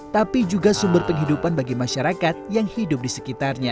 tapi juga sumber penghidupan bagi masyarakat yang hidup di sekitarnya